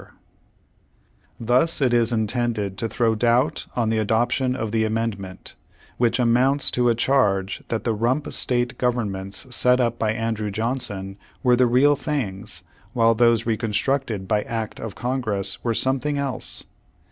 Page One Hundred eighty one Thus it is intended to throw doubt on the adop tion of the amendment, which amounts to a charge that the rump state governments set up by Andrew Johnson were the real things, while those reconstructed by Act of Congress were something else.